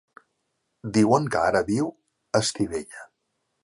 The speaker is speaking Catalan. Diuen que ara viu a Estivella.